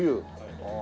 ああ。